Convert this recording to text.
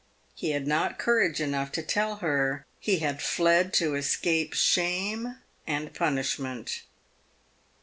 He had not courage enough to tell her he had fled to escape shame and punishment.